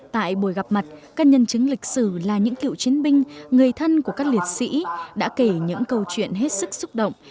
tại buổi gặp mặt các nhân chứng lịch sử là những cựu chiến binh người thân của các liệt sĩ đã kể những câu chuyện hết sức xúc động